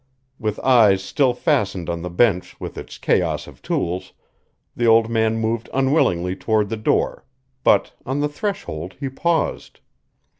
With eyes still fastened on the bench with its chaos of tools, the old man moved unwillingly toward the door; but on the threshold he paused.